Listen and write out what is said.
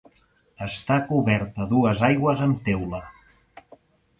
Està cobert a dues aigües amb teula.